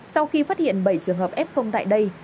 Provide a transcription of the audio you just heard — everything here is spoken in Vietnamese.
sau khi phát hiện bảy trường hợp f tại đây